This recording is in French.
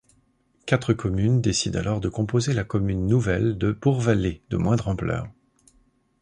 Quatre communes décident alors de composer la commune nouvelle de Bourgvallées de moindre ampleur.